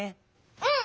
うん！